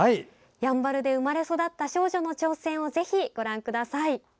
やんばるで生まれ育った少女の挑戦を、ぜひご覧ください。